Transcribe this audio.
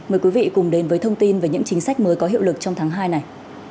mời quý vị cùng đến với thông tin về những chính sách mới có hiệu lực trong tháng hai này